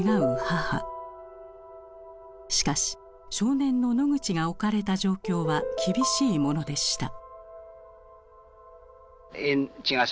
しかし少年のノグチが置かれた状況は厳しいものでした。